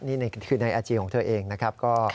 นี่คือในไอจีของเธอเองนะครับ